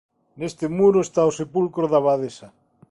Neste muro está o sepulcro da Abadesa.